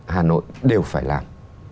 hà nội đều phải làm